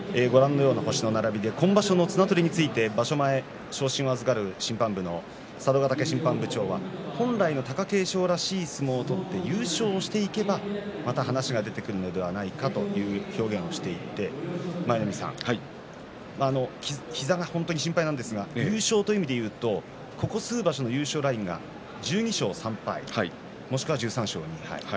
今場所は綱取りについて場所前昇進を預かる審判部の佐渡ヶ嶽審判部長は本来の貴景勝らしい相撲を取って優勝をしていけばまた話が出てくるのではないかという表現をしていて膝が本当に心配なんですが優勝という意味でいうとここ数場所の優勝ラインが１２勝３敗もしくは１３勝２敗。